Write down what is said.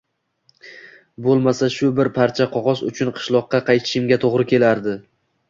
Bo`lmasa shu bir parcha qog`oz uchun qishloqqa qaytishimga to`g`ri kelardi